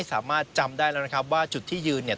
สามารถจำได้แล้วนะครับว่าจุดที่ยืนเนี่ย